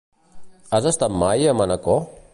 Has estat mai a Manacor?